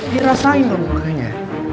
dirasain dong makanya